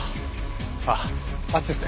あっあっちです。